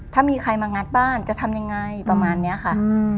ถ้ามีใครมางัดบ้านจะทำยังไงประมาณนี้ค่ะ